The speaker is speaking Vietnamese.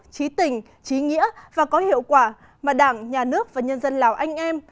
trí tình trí nghĩa và có hiệu quả mà đảng nhà nước và nhân dân lào anh em